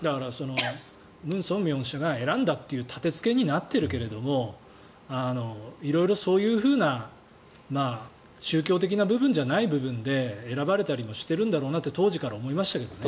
ムン・ソンミョン氏が選んだという立てつけになっているけど色々そういうふうな宗教的な部分じゃない部分で選ばれたりもしているんだろうなって当時から思いましたけどね。